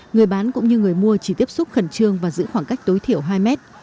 người bán cũng như người mua chỉ tiếp xúc khẩn trương và giữ khoảng cách tối thiểu hai mét